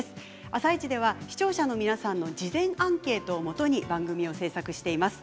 「あさイチ」では視聴者の皆さんの事前アンケートをもとに番組を制作しています。